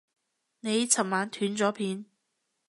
你尋晚斷咗片